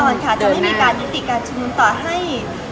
นัดแน่นอนค่ะจะไม่มีแนวสิตการชนุนแล้วต่อให้